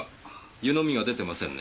湯のみが出てませんね。